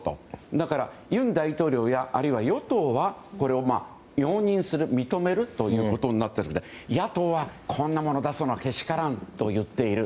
だから、尹大統領や与党は認めるということになっているので野党は、こんなもの出すのはけしからんと言っている。